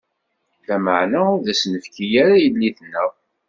-Lameɛna ur d as-nefki ara yelli-tneɣ.